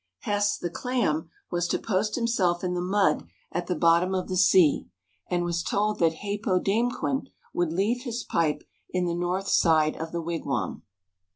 Hess, the Clam, was to post himself in the mud at the bottom of the sea, and was told that Hāpōdāmquen would leave his pipe in the north side of the wigwam.